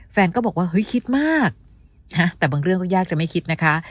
แฟนก็บอกว่าเฮ้ยคิดมากแต่บางเรื่องก็ยากจะไม่คิดนะคะ